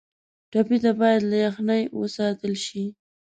ټپي ته باید له یخنۍ وساتل شي.